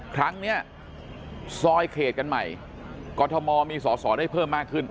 ครั้งนี้ซอยเขตกันใหม่กรทมมีสอสอได้เพิ่มมากขึ้น